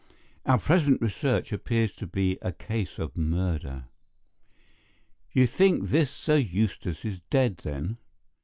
Our present research appears to be a case of murder." "You think this Sir Eustace is dead, then?"